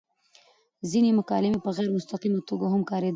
ځينې مکالمې په غېر مستقيمه توګه هم کاريدلي وې